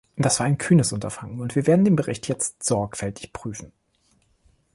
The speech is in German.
Das war ein kühnes Unterfangen, und wir werden den Bericht jetzt sorgfältig prüfen.